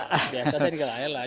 biasa saya dikelahin lah